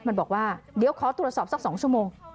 มันบอกว่าเดี๋ยวขอตรวจสอบสัก๒ชั่วโมง